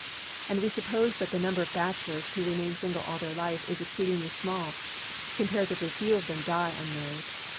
And we suppose that the number of bachelors who remain single all their life is exceedingly small; comparatively few of them die unmarried.